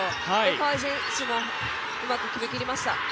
川井選手もうまく決めきりました。